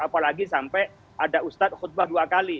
apalagi sampai ada ustadz khutbah dua kali